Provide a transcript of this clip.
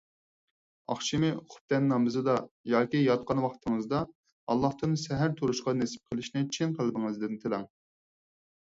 ئاخشىمى خۇپتەن نامىزىدا ياكى ياتقان ۋاقتىڭىزدا ئاللاھتىن سەھەر تۇرۇشقا نېسىپ قىلىشنى چىن قەلبىڭىزدىن تىلەڭ.